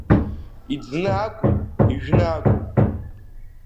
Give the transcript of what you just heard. Иӡны акәу, ижәны акәу?